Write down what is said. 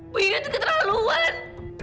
bu ingrid itu keterlaluan